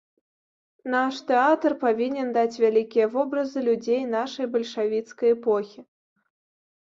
Наш тэатр павінен даць вялікія вобразы людзей нашай бальшавіцкай эпохі.